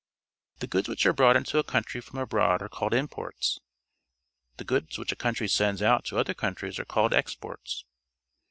The goods which are brought into a country from abroad are called imports. The goods wliich a countiy sends out to other countries are called exports.